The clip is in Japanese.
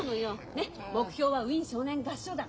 ねっ目標はウィーン少年合唱団。